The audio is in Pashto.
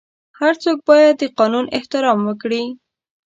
هر څوک باید د قانون احترام وکړي.